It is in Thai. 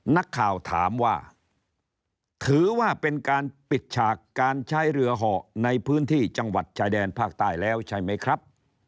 นักข่าวถามว่าถือว่าเป็นการปิดฉากการใช้เรือเหาะในพื้นที่จังหวัดชายแดนภาคใต้แล้วใช่ไหมครับ